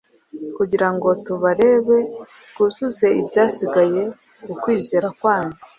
kugira ngo tubarebe twuzuze ibyasigaye ku kwizera kwanyu.”